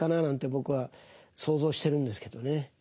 僕は想像してるんですけどね。